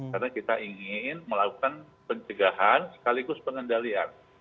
karena kita ingin melakukan pencegahan sekaligus pengendalian